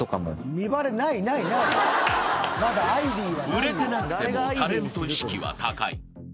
［売れてなくてもタレント意識は高い］